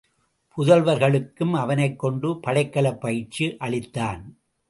புதல்வர்களுக்கும் அவனைக்கொண்டு படைக்கலப் பயிற்சி அளித்தான்.